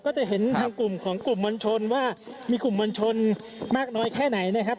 จะเห็นทางกลุ่มของกลุ่มมวลชนว่ามีกลุ่มมวลชนมากน้อยแค่ไหนนะครับ